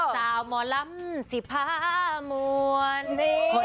ตาหมอล้ำสิบหามวล